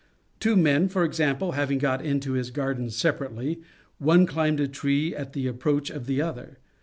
Two men, for example, having got into his garden separately, one climbed a tree at the approach of the other.